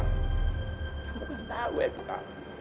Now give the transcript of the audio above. kamu kan tahu epika